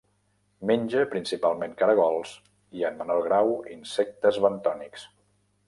Menja principalment caragols i, en menor grau, insectes bentònics.